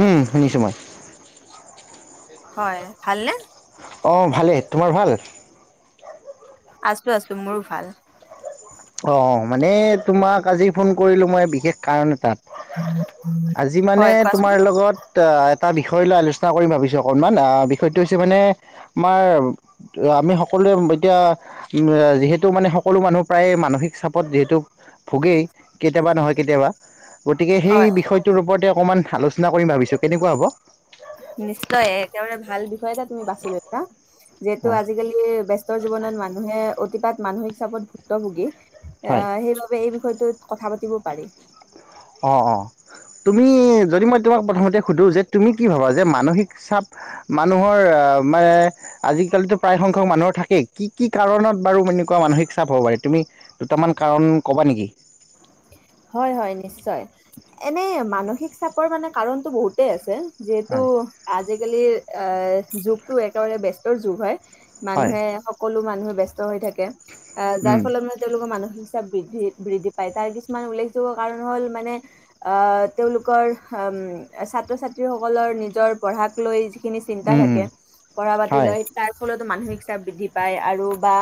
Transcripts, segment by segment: উম, শুনিছোঁ মই। হয়, ভালনে? অহ, ভালেই। তোমাৰ ভাল? আছোঁ আছোঁ মোৰো ভাল। অহ, মানে তোমাক আজি ফোন কৰিলোঁ মই বিশেষ কাৰণ এটাত। আজি মানে হয় কোৱাচোন? তোমাৰ লগত এটা বিষয় লৈ আলোচনা কৰিম ভাবিছোঁ অকনমান, আহ বিষয়টো হৈছে মানে আমাৰ আমি সকলোৱে এতিয়া উম, যিহেতু মানে সকলো মানুহ প্ৰায়ে মা মানসিক চাপত যিহেটো ভুগেই কেতিয়াবা নহয় কেতিয়াবা গতিকে সেই হয় বিষয়ত বিষয়তোৰ ওপৰতে অকমান আলোচনা কৰিম ভাবিছোঁ। কেনেকুৱা হ'ব? নিশ্চয় একেবাৰে ভাল বিষয় এটা তুমি বাচি লৈছা। যিহেতু হয় আজিকালি ব্যস্ত জীৱনত মানুহে অতিপাত মানসিক চাপত ভুক্ত ভোগী, অহ হয় সেইবাবে গতিকে এই বিষয়টোত কথা পাতিব পাৰি। অহ', অহ'। তুমি যদি মই তোমাক প্ৰথমতে সুধোঁ যে তুমি কি ভাবা, যে মানসিক চাপ মানুহৰ আহ মানে আজিকালিতো প্ৰায় সংখ্যক মানুহৰ থাকেই। কি কি কাৰণত বাৰু এনেকুৱা মানসিক চাপ হ'ব পাৰে? তুমি দুটামান কাৰণ কবা নেকি? হয়, হয় নিশ্চয়। এনেই মানসিক চাপৰ মানে কাৰণটো বহুতেই আছে। যিহেতু হয় আজিকালি অহ, যুগটো একেবাৰে ব্যস্তৰ যুগ হয়। হয় মানুহে সকলো মানুহে বস্ত হৈ থাকে অহ, যাৰ উম ফলত তেওঁলোকৰ মানসিক চাপ বৃদ্ধি-বৃদ্ধি পায়। তাৰ কিছুমান উল্লেখযোগ্য কাৰণ হ'ল মানে অহ, তেওঁলোকৰ হম ছাত্ৰ-ছাত্ৰীসকলৰ নিজৰ পঢ়াক লৈ যিখিনি চিন্তা উম উম থাকে, পঢ়া পাতি হয় লৈ তাৰ ফলতো মানসিক চাপ বৃদ্ধি পায় আৰু বা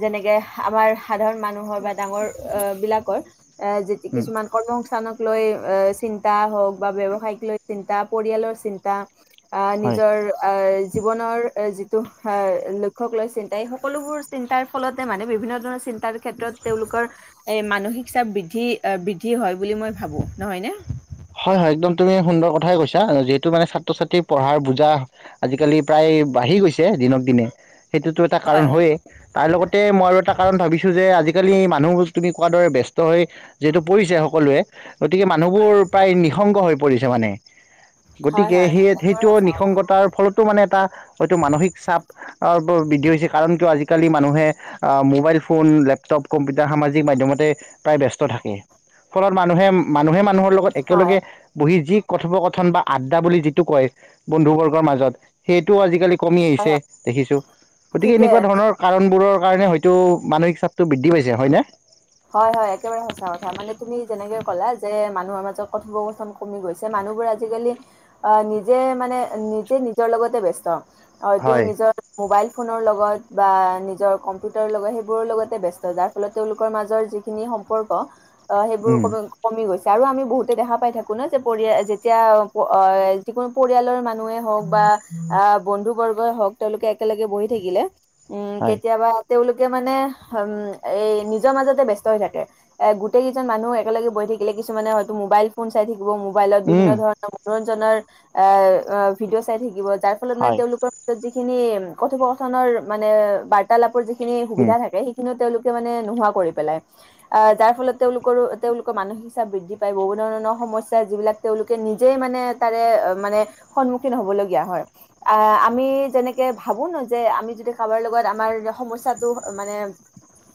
যেনেকে আমাৰ সাধাৰণ মানুহৰ বা ডাঙৰ অহ বিলাকৰ এ যে উম কিছুমান কৰ্ম সংস্থানক লৈ অ' চিন্তা হওঁক বা ব্যৱসায়িক লৈ চিন্তা, পৰিয়ালৰ চিন্তা। অহ, হয় নিজৰ আ জীৱনৰ যিটো লক্ষ্যক লৈ চিন্তা, এই সকলোবোৰ চিন্তাৰ ফলতে মানে বিভিন্ন ধৰণৰ চিন্তাৰ ক্ষেত্ৰত তেওঁলোকৰ এ মানসিক চাপ বৃদ্ধি-বৃদ্ধি হয় বুলি মই ভাবোঁ। নহয়নে? হয়, হয়। একদম তুমি সুন্দৰ কথাই কৈছা যিহেতু মানে ছাত্ৰ-ছাত্ৰীৰ পঢ়াৰ বুজা আজিকালি প্ৰায় বাঢ়ি গৈছে দিনক-দিনে সেইটো এটা কাৰণ হয়। হয়ে। তাৰ লগতে মই আৰু এটা কাৰণ ভাবিছোঁ যে আজিকালি মানুহ তুমি কোৱাৰ দৰে ব্যস্ত হৈ যিহেতু পৰিছে সকলোৱে গতিকে মানুহবোৰ প্ৰায় নিঃসংগ হৈ পৰিছে মানে। হয় গতিকে হয় একেবাৰে সেই-সেইটো সঁচা কথা নিঃসংগতাৰ ফলতো মানে এটা হয়তো মানসিক চাপ অ বৰ বৃদ্ধি হৈছে কাৰণ কিয় আজিকালি মানুহে আহ মোবাইল ফোন লেপটপ কম্পিউটাৰ সামাজিক মাধ্যমতে প্ৰায় ব্যস্ত থাকে ফলত মানুহে মানুহে মানুহৰ লগত হয় একেলগে বহি যি কথোপকথন বা আড্ডা বুলি যিটো কয় বন্ধু বৰ্গৰ মাজত সেইটোও আজিকালি কমি হয় আহিছে হয় দেখিছোঁ গতিকে ঠিকে এনেকুৱা ধৰণৰ কাৰণবোৰৰ কাৰণে হয়তো মানসিক চাপটো বৃদ্ধি পাইছে হয়নে হয় হয় একেবাৰে সঁচা কথা মানে তুমি যেনেকে কলা যে মানুহৰ মাজত কথোপকথন কমি গৈছে মানুহবোৰ আজিকালি নিজে মানে নিজে নিজৰ লগতে ব্যস্ত হয়টো হয় নিজৰ মোবাইল ফোনৰ লগত বা নিজৰ কম্পিউটাৰৰ লগত সেইবোৰৰ লগতে ব্যস্ত যাৰ ফলত তেওলোক ৰ মাজৰ যিখিনি সম্পৰ্ক সেইবোৰ অকমান কমি গৈছে আৰু আমি বহুতে দেখা পাই থাকো ন যে পৰিয় যেতিয়া যিকোনো পৰিয়ালৰ মানুহে হওক বা আহ বন্ধু বৰ্গই হওক তেওঁলোকে একেলগে বহি থাকিলে উম হয় হয় কেতিয়াবা তেওঁলোকে মানে উম এই নিজ নিজৰ মাজতে ব্যস্ত হৈ থাকে এ গোটেই কেইজন মানুহ একেলগে বঢ়ি থাকিলে কিছুমানে হয়তো মোবাইল চাই থাকিব মুবাইলত বিভিন্ন উম, ধৰণৰ মনোৰজ্ঞনৰ এ ভিদিঅ চাই থাকিব যাৰ ফলত মানে হয় তেওঁলোকৰ মাজত যিখিনি কথোপথনৰ মানে বাৰ্তালাপৰ যিখিন যিখিনি উম, সুবিধা থাকে সেইখিনিও তেওঁলোকে মানে নোহোৱা কৰি পেলাই। যাৰ ফলত তেওঁলোকৰো তেওঁলোকৰ মানসিক চাপ বৃদ্ধি পায় বহু ধৰণৰ সমস্যা যিবিলাক তেওঁলোকে নিজেই মানে তাৰে মানে সন্মুখীন হবলগীয়া হয়। আহ আমি যেনেকে ভাবো ন যে আমি যদি কাৰোবাৰ লগত আমাৰ সমস্যাটো মানে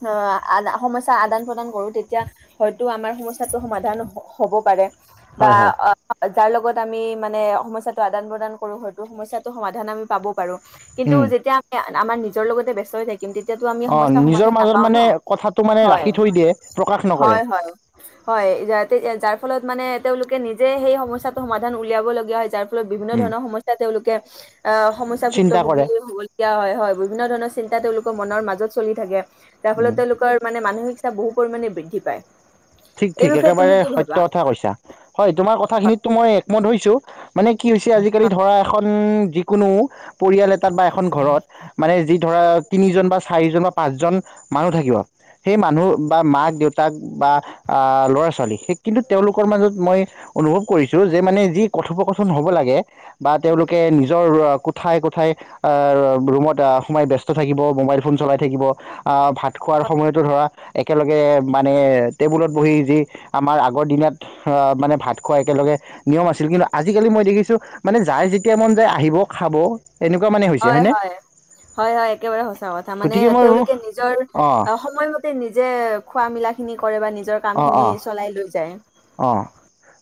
অ', আদা সমস্যা আদান প্ৰদান কৰোঁ তেতিয়া হয়তো আমাৰ সমস্যাটো সমাধান হ হ'ব পাৰে বা হয় হয় অ',। যাৰ লগত আমি মানে সমস্যাটো আদান প্ৰদান কৰো হয়তো সমস্যাটো সমাধান আমি পাব পাৰো কিন্তু উম। যেতিয়া আমি আমাৰ নিজৰ লগতে ব্যস্ত হৈ থাকিম তেতিয়াতো আমি অ সমস্যা নিজৰ সমাধান মাজত নাপাও ন মানে কথাটো মানে হয় ৰাখি থৈ দিয়ে প্ৰকাশ নকৰে হয় হয় হয় যাৰ ফলত মানে তেওঁলোকে নিজে সেই সমস্যাটো সমাধান উলিয়াব লগীয়া হয় যাৰ বিভিন্ন ধৰণৰ সমস্যা তেওঁলোকে আ সমস্যা চিন্তা কৰে ভুক্তভোগী হ হয় বিভিন্ন ধৰণৰ চিন্তা তেওঁলোকৰ মনৰ মাজত চলি থাকে যাৰ উম ফলত তেওঁলোক মানে মানসিক চাপ বহু পৰিমাণে বৃদ্ধি পায়। ঠিক এই ঠিক বিষয়ে তুমি একেবাৰে কি সত্য ভাবা কথা কৈছা হয় তোমাৰ কথাখিনিতো মই একমত হৈছো। মানে কি হৈছে আজিকালি ধৰা এখন যিকোনো পৰিয়াল এটাত বা এখন ঘৰত মানে যি ধৰা তিনিজন বা চাৰিজন বা পাঁচজন মানুহ থাকিব সেই মানুহ বা মাক দেউতাক বা আহ ল'ৰা ছোৱালী সে কিন্তু তেওঁলোকৰ মাজত মই অনুভৱ কৰিছো যে মানে যি কথোপকথন হব লাগে বা তেওঁলোকে নিজ নিজৰ কোঠাই কোঠাই ৰুমত সোমাই ব্যস্ত থাকিব মোবাইল ফোন চলাই থাকিব আহ ভাত খোৱাৰ সময়তো ধৰা একেলগে মানে টেবুলত বহি যি আমাৰ আগৰ দিনাত মানে ভাত খোৱা একেলগে নিয়ম আছিল কিন্তু আজিকালি মই দেখিছোঁ মানে যাৰ যেতিয়া মন যায় আহিব খাব এনেকুৱা মানে হৈছে হয় হয়নে হয় হয় হয় একেবাৰে সঁচা কথা মানে গতিকে মই ভাবোঁ তেওঁলোকে নিজৰ অঁ সময় নিজে খোৱা মেলা খিনি কৰে বা নিজৰ কাম খিনি চলাই লৈ যায়। অ',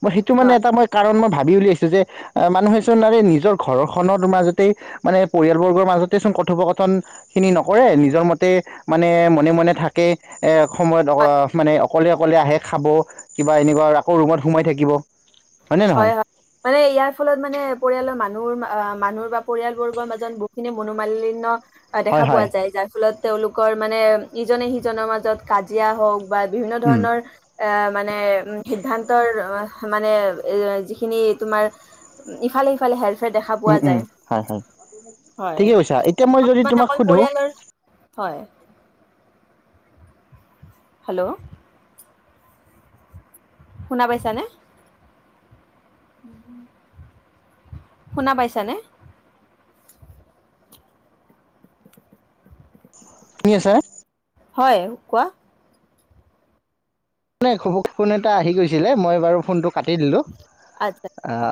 মই সেইটো মানে এটা হয় মই কাৰণ মই ভাবি উলিয়াইছোঁ যে আহ মানুহেচোন আৰে নিজৰ ঘৰখনৰ মাজতে মানে পৰিয়ালবৰ্গৰ মাজতেই চোন কথোপকথন খিনি নকৰে নিজৰ মতে মানে মনে মনে থাকে, এ সময়ত অ মানে অকলে অকলে আহে খাব, ‌ কিবা এনেকুৱা আৰু আকৌ ৰুমত সোমাই থাকিব। হয়নে নহয় হয়। মানে ইয়াৰ ফলত মানে পৰিয়ালৰ মানুহৰ মানুহ বা পৰিয়ালবৰ্গৰ মাজত বহুতখিনি মনোমালিন্য অ, হয় দেখা পোৱা হয় যায় যাৰ ফলত তেওঁওলোকৰ মানে ইজনে সিজনৰ মাজত কাজিয়া হওক বা বিভিন্ন উম ধৰণৰ এ মানে উম সিদ্ধান্তৰ মানে এইয়া যিখিনি তোমাৰ ইফালে সিফালে হেল্প দেখা উম পোৱা উম যায়, হয় হয় হয় ঠিকে কৈছা এতিয়া মই যদি মানে তোমাক অকল সোধো পৰিয়ালৰ হয়। হেল্ল। শুনা পাইছানে? [unintelligible] শুনা পাইছানে? শুনি আছা? হয়, কোৱা। মানে ঘপকে ফোন এটা আহি গৈছিলে মই বাৰু ফোনটো কাটি দিলোঁ। আচ্ছা আঁ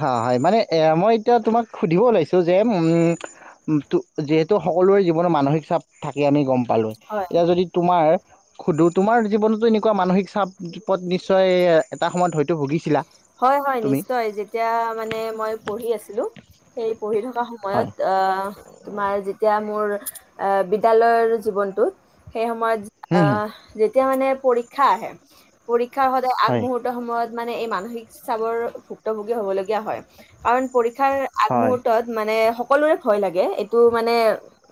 হ হয় মানে এ মই এতিয়া তোমাক সুধিব ওলাইছো যে উম ত যিহেতু সকলোৰে জীৱনৰ মানসিক চাপ থাকে আমি গম পালোঁ। হয়। এতিয়া যদি তোমাৰ সুধোঁ তোমাৰ জীৱনতো এনেই এনেকুৱা মানসিক চাপ বিপদ নিশ্চয় এটা সময়ত ধ হয় হয় নিশ্চয়, যে তিয়া মানে মই পঢ়ি আছিলোঁ, সেই পঢ়ি থকা সময়ত হয় আঁহ তোমাৰ যেতিয়া মোৰ আঁ বিদ্যালয়ৰ জীৱনটোত সেই সময়ত আ হুম হুম যেতিয়া মানে পৰীক্ষা আহে, পৰীক্ষাৰ সদায় হয় আগমূহুৰ্ত সময়ত মানে এই মানসিক চাৱৰ ভুক্তভোগী হ'বলগীয়া হয়। কাৰণ পৰীক্ষাৰ হয় আগমূহুৰ্তত মানে সকলোৰে ভয় লাগে, এইটো মানে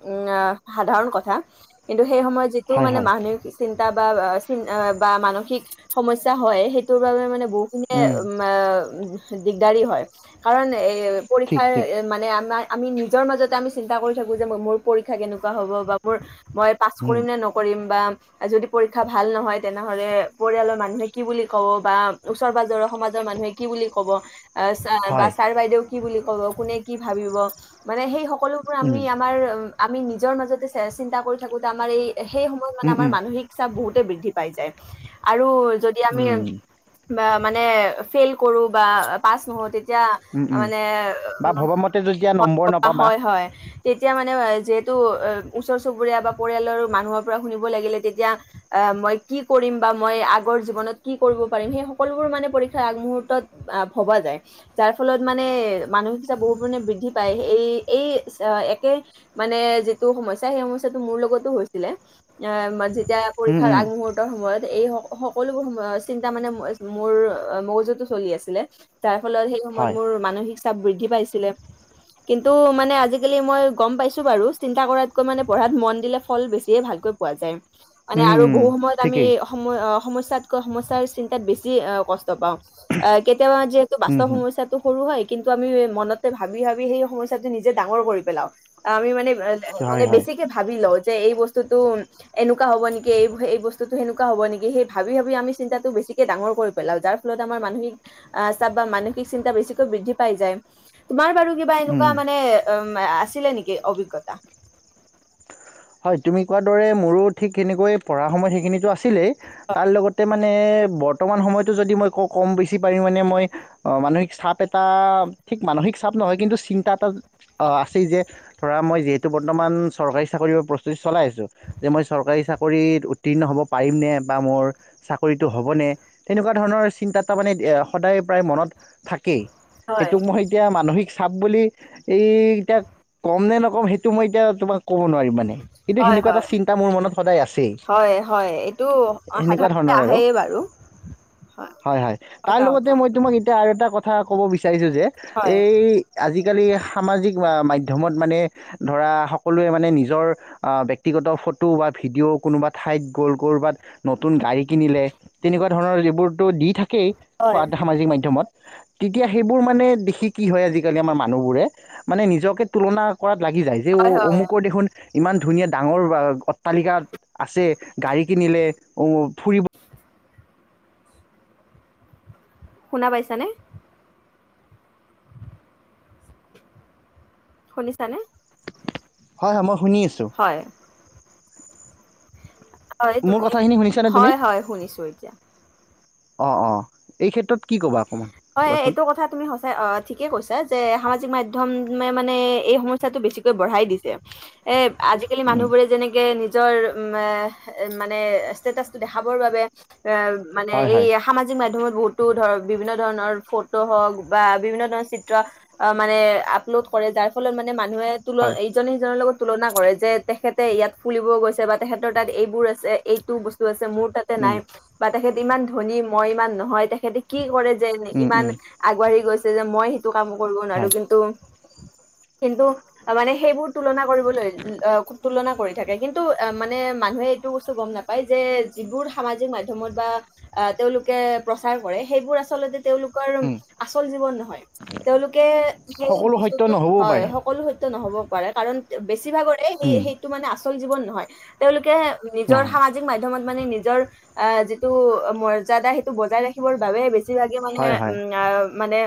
উম অঁ সাধাৰণ কথা। কিন্তু সেই সময়ত যিটো হয় মানে হয় মানসিক চিন্তা বা চি নবা মানসিক সমস্যা হয়, সেইটোৰ বাবে মানে নে উম এ দিগদাৰি হয়, কাৰণ এ ঠিক পৰীক্ষাৰ ঠিক মানে আমাৰ আমি নিজৰ মাজতে আমি চিন্তা কৰি থাকোঁ যে, মোৰ পৰীক্ষা কেনেকুৱা হ'ব বা মোৰ মই পাছ উম কৰিম নে নকৰিম বা যদি পৰীক্ষা ভাল নহয়, তেনেহ'লে পৰিয়ালৰ মানুহে কি বুলি ক'ব বা ওচৰ পাজৰৰ সমাজৰ মানুহে কি বুলি ক'ব আহ ছাৰ বা হয় ছাৰ বাইদেউ কি বুলি কোনে কি ভাবিব, মানে সেই সকলোৱে উম আমি আমাৰ আমি নিজৰ মাজতে চিন্তা কৰি থাকোঁতে আমাৰ এই সেই সময়ত মানে উম আমাৰ উম মানসিক চাপ বহুতে বৃদ্ধি পাই যায় আৰু য উম বা মানে ফেইল কৰোঁ বা পাছ নহওঁ, তে তিয়া উম উম মানে বা ভবামতে যেতিয়া নম্বৰ নাপাবা হয় হয়। তেতিয়া মানে যিহেতু ওচৰ চুবুৰীয়া বা পৰিয়ালৰ মানুহৰ পৰা শুনিব লাগিলে তেতিয়া অ মই কি কৰিম বা মই আগৰ জীৱনত কি কৰিব পাৰিম সেই সকলোবোৰ মানে পৰীক্ষাৰ আগমুহূৰ্তত ভবা যায়। যাৰ ফলত মানে মানসিকচাপ বহুত পৰিমাণে বৃদ্ধি পায়, এই এই একে মানে যিটো সমস্যা সেই সমস্যাটো মোৰ লগতো হৈছিলে এ যেতিয়া উম পৰীক্ষাৰ উম আগমুহূৰ্তৰ সময়ত এই স সকলোবোৰ সমস্ চিন্তা মানে মোৰ মগজুতো চলি আছিলে তাৰ ফলত সেই সময়ত হয় মোৰ মানসিক চাপ বৃদ্ধি পাইছিলে। কিন্তু মানে আজিকালি মই গম পাইছোঁ বাৰু চিন্তা কৰাতকৈ মানে পঢ়াত মন দিলে ফল বেছিয়ে ভালকৈ পোৱা যায়, মানে উম আৰু উম বহু সময়ত আমি ঠিকেই সম সমস্যাতকৈ সমস্যাৰ চিন্তাত বেছি কষ্ট পাওঁ আহ কেতিয়াবা যে ত উম পাছৰ হম সমস্যাত সৰু হয় কিন্তু আমি মনতে ভাবি ভাবি সেই সমস্যাটো নিজে ডাঙৰ কৰি পেলাওঁ আমি মানে মানে হয় হয় বেছিকে ভাবি লওঁ যে এই বস্তুটো এনেকুৱা হ'বনেকি এই বস্তুতো সেনেকুৱা হব'নেকি সেই ভাবি ভাবি আমি চিন্তাটো বেছিকে ডাঙৰ কৰি পেলাওঁ যাৰ ফলত আমাৰ মানসিক আহ চাপ বা মানসিক চিন্তা বেছিকৈ বৃদ্ধি পাই যায় তোমাৰ বাৰু কিবা উম। এনেকুৱা মানে উ আছিলে নেকি অভিজ্ঞতা? হয় তুমি কোৱাৰ দৰে মোৰো ঠিক তেনেকৈ পঢ়াৰ সময়ত সেইখিনিতো আছিলেই তাৰ লগতে মানে বৰ্তমান সময়তো যদি মই কওঁ ক'ম বেছি পৰিমাণে মই অ মানসিক চাপ এটা ঠিক মানসিক চাপ নহয় কিন্তু চিন্তা এটা অ আছেই যে ধৰা মই যিহেতু বৰ্তমান চৰকাৰী চাকৰি প্ৰস্তুতি চলাই আছোঁ যে মই চৰকাৰী চাকৰিত উত্তীৰ্ণ হ'ব পাৰিম নে বা মোৰ চাকৰিটো হ'বনে তেনেকুৱা ধৰণৰ চিন্তাত তাৰমানে সদায় প্ৰায় মনত থাকেই। হয়, সেইটোক মই এতিয়া মানসিক চাপ বুলি এই এতিয়া ক'ম নে নক'ম সেইটো মই এতিয়া তোমাক ক'ব নোৱাৰিম মানে। কিন্তু হয়, সেনেকুৱা এটা হয়। চিন্তা মোৰ মনত সদায় আছেই, হয়, হয়, এইটো এনেকুৱা সাধাৰণতে ধৰণৰ আৰু। আহেই বাৰু। হয় হয় তাৰ সঁচা লগতে কথা, মই তোমাক এয়া আৰু এটা কথা ক'ব বিচাৰিছোঁ যে হয়। এই আজিকালি সামাজিক মাধ্যমত মানে ধৰা স সকলোৱে মানে নিজৰ অ ব্যক্তিগত ফটো বা ভিডিঅ' কোনোবা ঠাইত গ'ল ক'ৰবাত নতুন গাড়ী কিনিলে তেনেকুৱা ধৰণৰ যিবোৰতো দি থাকেই হয়। সামাজিক মাধ্যমত। তেতিয়া সেইবোৰ মানে দেখি কি হয় আজিকালি আমাৰ মানুহবোৰে, মানে নিজকে তুলনা কৰাত লাগি যায় যে অ হয়, হয়, অমুকৰ দেখোন ইমান ধুনীয়া ডাঙৰ অট্টালিকা আছে গাড়ী কিনিলে উ ফুৰিব শুনা পাইছানে? শুনিছানে? হয় হয় মই শুনি আছো। হয়। হয় মোৰ তুমি, কথাখিনি শুনিছানে তুমি? হয় হয় শুনিছো এতিয়া। অঁ অঁ, এই ক্ষেত্ৰত কি ক'বা অকণমান। হয় হয় কোৱাচোন? এইটো কথা তুমি স অ ঠিকে কৈছা যে সামাজিক মাধ্যমে মানে এই সমস্যাটো বেছিকৈ বঢ়াই দিছে। এ আজিকালি উম। মানুহবোৰে যেনেকে নিজ নিজৰ মে মানে ষ্টেটাচটো দেখাবৰ বাবে এ মানে হয়, হয়, এইয়া সামাজিক মাধ্যমত বহুতো ধৰ বিভিন্ন ধৰণৰ ফটো হওক বা বিভিন্ন ধৰণৰ চিত্ৰ মানে আপলোড কৰে যাৰ ফলত মানে মানুহে তুল হয়। এইজনে সিজনৰ লগত তুলনা কৰে যে তেখেতে ইয়াত ফুলিব গৈছে বা তেখেতৰ তাত এইবোৰ আছে এইটো বস্তু আছে মোৰ তাত উম, নাই বা তেখেতে ইমান ধনী মই ইমান নহয় তেখেতে কি কৰে যে উম, ইমান উম, আগবাঢ়ি গৈছে যে মই সেইটো কাম কৰিব নোৱাৰো হয়। কিন্তু [inaudible] কিন্তু। মানে সেইবোৰ তুলনা কৰিবলৈ, তুলনা কৰি থাকে কিন্তু অ' মানে মানুহে এইটো বস্তু গম নাপ পায় যে যিবোৰ সামাজিক মাধ্যমৰ বা, আহ', তেওঁলোকে প্ৰচাৰ কৰে সেইবোৰ আ আচলতে তেওঁলোকৰ উম, আচল জীৱন নহয়, তেওঁলোকে সেই সকলো বস্তু সত্য নহ'বও হয় পাৰে। স সকলো সত্য নহ'ব পাৰে, কাৰণ বেছিভাগৰে সেই উম, সেইটো মানে আচল জীৱন নহয়। তেওঁলোকে নিজৰ নহয়, সামাজিক মাধ্যমত মানে, নিজৰ আহ', যিটো মৰ্যাদা সেইটো বজাই ৰাখি খিবৰ বাবে বেছিভাগে মানে হয়, হয়, উম আহ', মানে।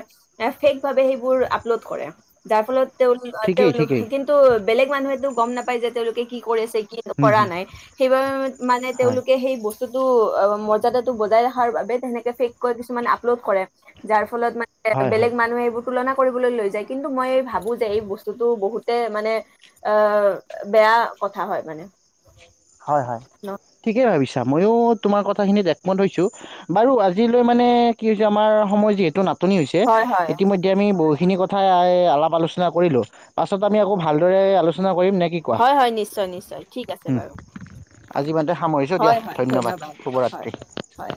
ফেক ভাৱে সেইবোৰ আপলোড কৰে, যাৰ ফলত তেওঁ ঠিকেই, তেওঁলোক ঠিকেই, কিন্তু ত' বেলেগ মানুহেতো গম নাপায় যে তেওঁলোকে কি কৰি আছে কি হুম, কৰা হুম, নাই সেইবাবে মানে হয়। তেওঁলোকে সেই বস্তুটো অ' মৰ্যাদাটো বজাই ৰখাৰ বাবে তেনেকে ফেক কৈ মানে আপলোড কৰে, যাৰ ফলত মানে হয়, বেলেগ হয়। মানুহে এইবোৰ তুলনা কৰিবলৈ লৈ যায়, কিন্তু মই ভাবো যে এই বস্তুটো বহুতে মানে আহ', বেয়া কথা হয় মানে। হয় হয়, ন ঠিকেই ভাবিছা ময়ো তোমাৰ কথাখিনিত একমত হৈছোঁ। বাৰু আজিলৈ মানে কি হৈছে আমাৰ সময়য় যিহেতু নাটনি হৈছে, হয় হয় ইতিমধ্যে এতিয়া আমি বহুখিনি কথাই আলাপ-আলোচনা কৰিলোঁ, পাছত আমি আকৌ ভালদৰে আলোচনা কৰিম নে কি কয়! হয় হয় নিশ্চয়- নিশ্চয় ঠিক আছে বাৰু। আজি ইমানতে সামৰিছোঁ দিয়া, হয় হয় ধন্যবাদ হয় শুভৰাত্ৰি। হয়।